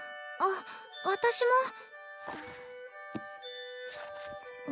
あっ私も。